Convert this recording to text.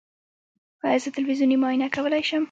ایا زه تلویزیوني معاینه کولی شم؟